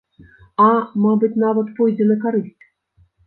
А, мабыць, нават пойдзе на карысць.